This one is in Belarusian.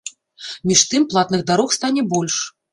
Між тым, платных дарог стане больш.